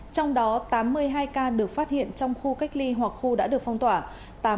trong đó tám mươi hai ca được phát hiện trong khu cách ly hoặc khu đã được phong tỏa